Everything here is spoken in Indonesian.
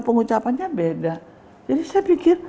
pengucapannya beda jadi saya pikir